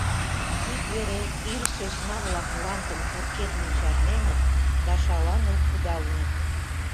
Ик вере ир сӧсна-влак мландым пургедмым чарненыт да шаланыл кудалыныт.